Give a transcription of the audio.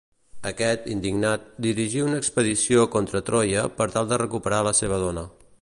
Aquest, indignat, dirigí una expedició contra Troia per tal de recuperar la seva dona.